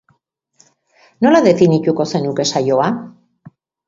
Nola definituko zenuke saioa?